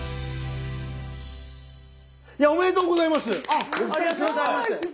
ありがとうございます。